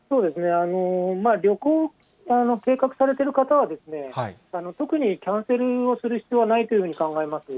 旅行計画されてる方は、特にキャンセルをする必要はないというふうに考えます。